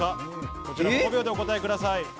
こちらも５秒でお答えください。